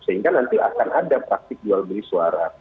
sehingga nanti akan ada praktik jual beli suara